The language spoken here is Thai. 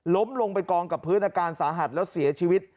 ลงไปกองกับพื้นอาการสาหัสแล้วเสียชีวิต